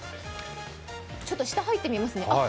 ちょっと下に入ってみますね。